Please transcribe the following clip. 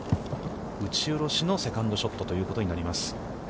打ち下ろしのセカンドショットということになります。